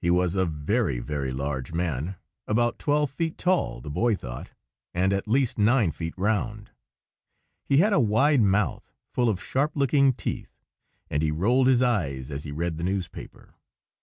He was a very, very large man, about twelve feet tall, the boy thought, and at least nine feet round. He had a wide mouth, full of sharp looking teeth, and he rolled his eyes as he read the newspaper.